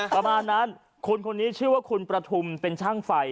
ประมาณนั้นคุณคนนี้ชื่อว่าคุณประทุมเป็นช่างไฟ